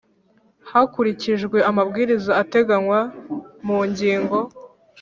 hakurikijwe amabwiriza ateganywa mu ngingo